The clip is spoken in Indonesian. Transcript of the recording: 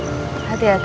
hati hati pak rindy